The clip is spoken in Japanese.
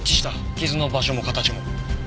傷の場所も形も。